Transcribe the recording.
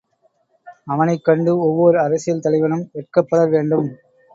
அவனைக் கண்டு ஒவ்வோர் அரசியல் தலைவனும் வெட்கப்படல் வேண்டும்.